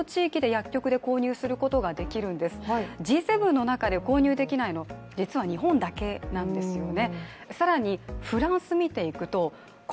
Ｇ７の中で購入できないのは実は日本だけなんですよね。